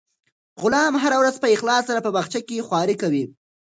غلام هره ورځ په اخلاص سره په باغچه کې خوارۍ کوي.